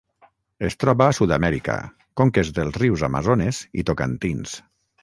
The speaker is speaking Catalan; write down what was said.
Es troba a Sud-amèrica: conques dels rius Amazones i Tocantins.